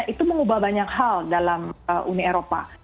itu mengubah banyak hal dalam uni eropa